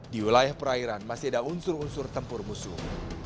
di wilayah perairan masih ada unsur unsur tempur musuh